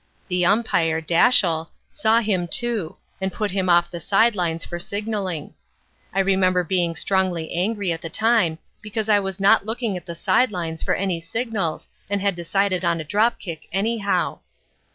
The umpire, Dashiell, saw him too, and put him off the side lines for signalling. I remember being extremely angry at the time because I was not looking at the side lines for any signals and had decided on a drop kick anyhow.